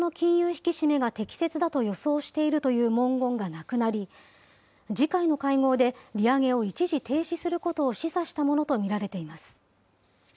引き締めが適切だと予想しているという文言がなくなり、次回の会合で、利上げを一時停止することを示唆したものと見られています。